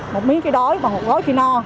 một miếng cái đói và một gói khi no